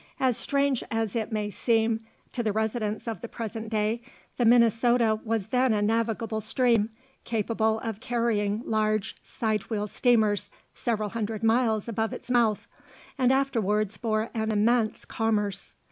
As strange as it may seem to the residents of the present day, the Minnesota was then a navigable stream, capable of carrying large side wheel steamers several hundred miles above its mouth, and afterwards bore an immense commerce.